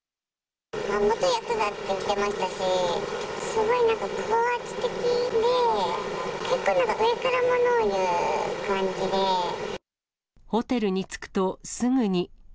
元やくざって言ってましたし、すごいなんか、高圧的で、結構、ホテルに着くとすぐに。